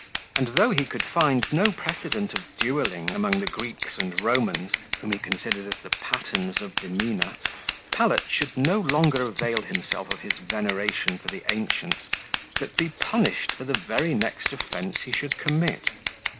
And, though he could find no precedent of duelling among the Greeks and Romans, whom he considered as the patterns of demeanour, Pallet should no longer avail himself of his veneration for the ancients, but be punished for the very next offence he should commit.